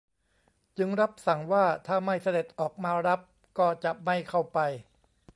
จึงรับสั่งว่าถ้าไม่เสด็จออกมารับก็จะไม่เข้าไป